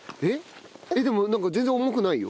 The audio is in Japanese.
えっでもなんか全然重くないよ？